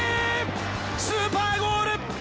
スーパーゴール！